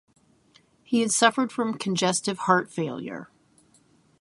He had suffered from congestive heart failure.